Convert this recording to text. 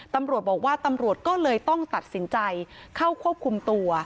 ตำรวจบอกว่าตำรวจก็เลยต้องตัดสินใจเข้าควบคุมตัว